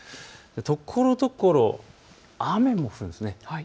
ところどころ雨も降るんです。